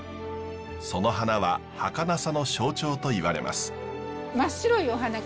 その花ははかなさの象徴といわれます。